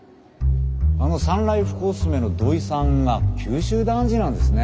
あのサンライフコスメの土井さんが九州男児なんですね。